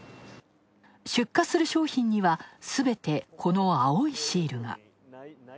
出荷する商品にはすべて、この青いシールが。